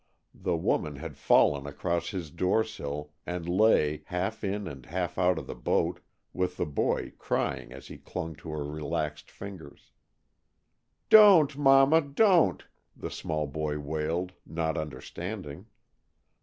The woman had fallen across his doorsill and lay, half in and half out of the boat, with the boy crying as he clung to her relaxed fingers. "Don't, Mama! don't!" the small boy wailed, not understanding.